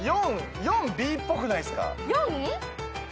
４Ｂっぽくないっすか？